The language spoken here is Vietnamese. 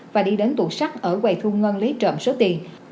và đi đến tủ sách ở quầy thu ngân lấy trộm số tiền